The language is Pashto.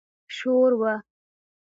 شور و.